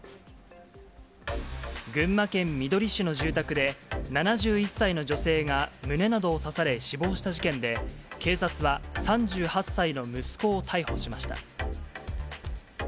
群馬県みどり市の住宅で、７１歳の女性が胸などを刺され死亡した事件で、警察は３８歳の息子を逮捕しました。